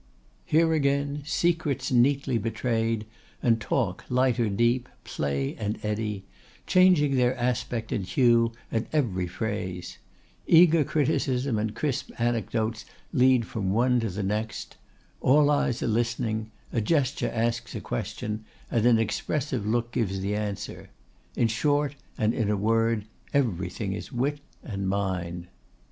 Here, again, secrets neatly betrayed, and talk, light or deep, play and eddy, changing their aspect and hue at every phrase. Eager criticism and crisp anecdotes lead on from one to the next. All eyes are listening, a gesture asks a question, and an expressive look gives the answer. In short, and in a word, everything is wit and mind.